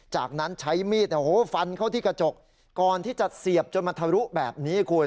จากนั้นใช้มีดฟันเข้าที่กระจกก่อนที่จะเสียบจนมาทะลุแบบนี้คุณ